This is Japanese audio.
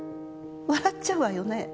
笑っちゃうわよねぇ。